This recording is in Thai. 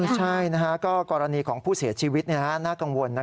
ใช่ก็กรณีของผู้เสียชีวิตน่ากังวล